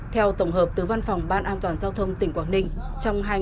theo tổng hợp tứ văn phòng ban an toàn giao thông tỉnh quảng ninh